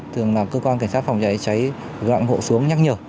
thường là cơ quan cảnh sát phòng cháy gặn hộ xuống nhắc nhở